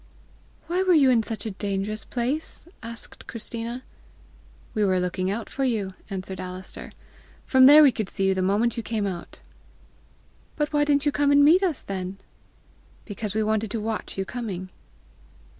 "Why were you in such a dangerous place?" asked Christina. "We were looking out for you," answered Alister. "From there we could see you the moment you came out." "Why didn't you come and meet us then?" "Because we wanted to watch you coming."